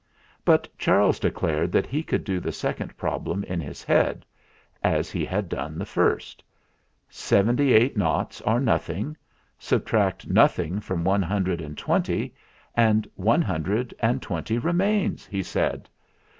But Charles declared that he could do the second problem in his head, as he had done the first. "Seventy eight noughts are nothing. Sub tract nothing from one hundred and twenty, and one hundred and twenty remains," he said.